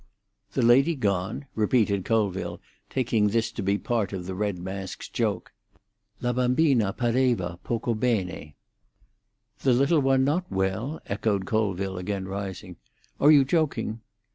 "The lady gone?" repeated Colville, taking this to be part of the red mask's joke. "La bambina pareva poco lene." "The little one not well?" echoed Colville again, rising. "Are you joking?"